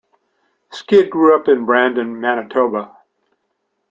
Skid grew up in Brandon, Manitoba.